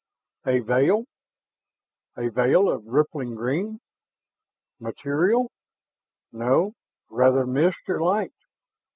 A veil, a veil of rippling green. Material? No, rather mist or light.